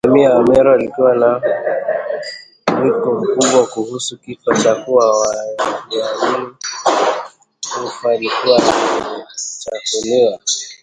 Jamii ya Wameru ilikuwa na mwiko mkubwa kuhusu kifo kwa kuwa waliamini mfu alikuwa amechafuliwa